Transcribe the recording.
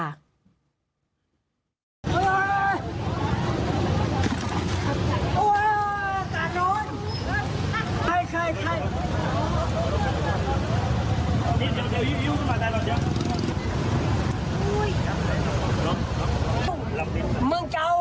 อ้าวอ้าวอ้าวอ้าวอ้าวอ้าว